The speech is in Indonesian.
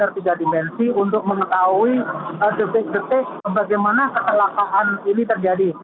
mereka menggunakan kamera scanner untuk mengetahui detik detik bagaimana kecelakaan ini terjadi